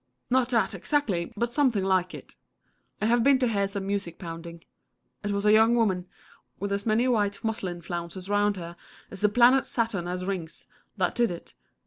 Not that exactly, but something like it. I have been to hear some music pounding. It was a young woman, with as many white muslin flounces round her as the planet Saturn has rings, that did it.